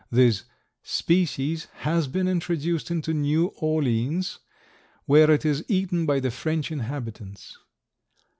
This species has been introduced into New Orleans where it is eaten by the French inhabitants.